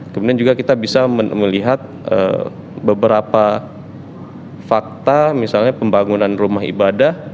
kemudian juga kita bisa melihat beberapa fakta misalnya pembangunan rumah ibadah